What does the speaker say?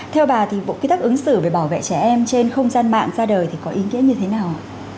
theo bà thì bộ quy tắc ứng xử về bảo vệ trẻ em trên không gian mạng ra đời thì có ý nghĩa như thế nào ạ